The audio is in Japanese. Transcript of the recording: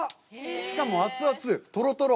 しかも熱々、とろとろ。